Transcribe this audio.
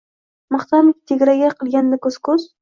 Maqtanib, tegraga qilganda ko’z-ko’z